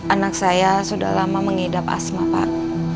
anak saya sudah lama mengidap asma pak